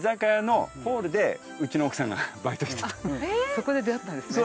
そこで出会ったんですね。